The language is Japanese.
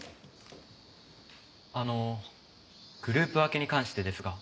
あのグループ分けに関してですが。